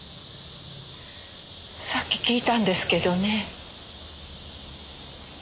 さっき聞いたんですけどね。